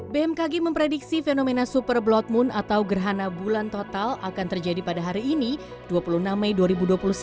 bmkg memprediksi fenomena super blood moon atau gerhana bulan total akan terjadi pada hari ini dua puluh enam mei dua ribu dua puluh satu